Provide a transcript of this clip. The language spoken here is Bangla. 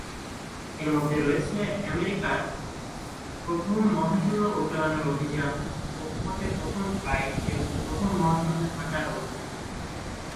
এর মধ্যে রয়েছে আমেরিকার প্রথম মহাশূন্য উড্ডয়নের অভিযান, কক্ষপথে প্রথম ফ্লাইট এবং প্রথম মহাশূন্যে হাঁটার অভিযান।